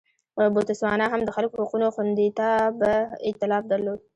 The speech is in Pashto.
بوتسوانا هم د خلکو حقونو خوندیتابه اېتلاف درلود.